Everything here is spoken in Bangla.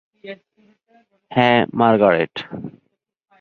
হ্যাঁ, মার্গারেট।